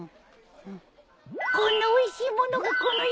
こんなおいしいものがこの世にあったとは